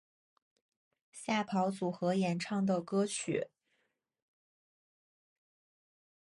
吓跑组合演唱的歌曲。